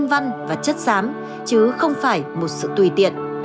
và chất xám chứ không phải một sự tùy tiện